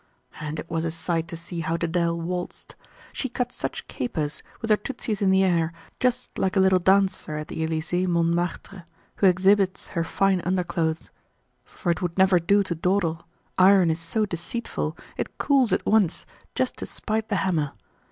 And it was a sight to see how Dedele waltzed! She cut such capers, with her tootsies in the air, just like a little dancer at the Elysee Montmartre, who exhibits her fine underclothes; for it would never do to dawdle, iron is so deceitful, it cools at once, just to spite the hammer.